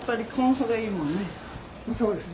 そうですね。